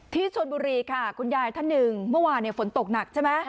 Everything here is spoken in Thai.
ที่ชนบุรีค่ะคุณยายท่านหนึ่งเมื่อวานฝนตกหนักใช่ไหม